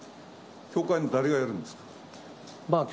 教会の誰がやるんですか。